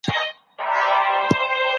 له پردو سره راوتـي يـو